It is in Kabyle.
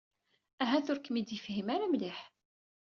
Ahat ur kem-id-yefhim ara mliḥ.